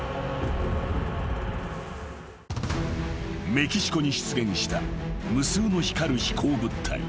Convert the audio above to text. ［メキシコに出現した無数の光る飛行物体］